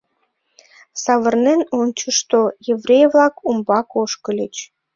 Савырнен ончышто, еврей-влак умбак ошкыльыч.